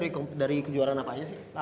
dari kejuaraan apa aja sih